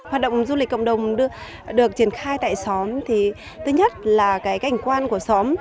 hoạt động du lịch cộng đồng được triển khai tại xóm thì thứ nhất là cái cảnh quan của xóm